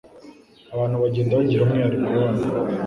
Abantu bagenda bagira umwihariko wabo